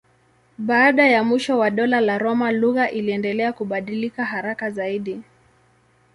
Baada ya mwisho wa Dola la Roma lugha iliendelea kubadilika haraka zaidi.